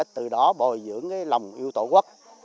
từ đó bồi dưỡng cái lòng yêu tổ quốc